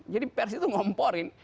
jadi pers itu ngomporin